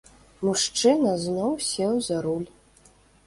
Мужчына зноў сеў за руль.